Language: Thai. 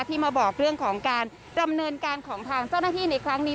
ที่มาบอกเรื่องของการดำเนินการของทางเจ้าหน้าที่ในครั้งนี้